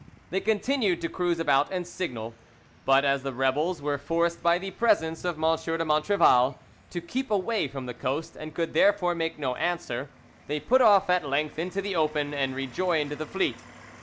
They continued to cruise about and signal, but as the rebels were forced by the presence of M. de Montrevel to keep away from the coast, and could therefore make no answer, they put off at length into the open, and rejoined the fleet.